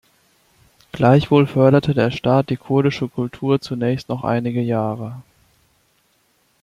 Gleichwohl förderte der Staat die kurdische Kultur zunächst noch einige Jahre.